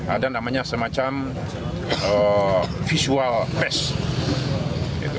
ada namanya semacam visual pass